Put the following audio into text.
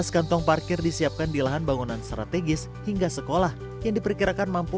dua belas kantong parkir disiapkan di lahan bangunan strategis hingga sekolah yang diperkirakan mampu